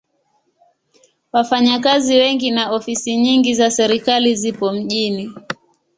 Wafanyakazi wengi na ofisi nyingi za serikali zipo mjini.